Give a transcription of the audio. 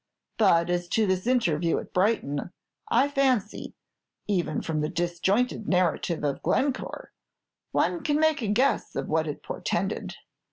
But as to this interview at Brighton, I fancy even from the disjointed narrative of Glencore one can make a guess of what it portended.